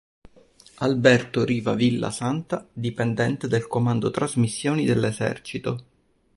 Alberto Riva Villa Santa, dipendente dal Comando Trasmissioni dell'Esercito.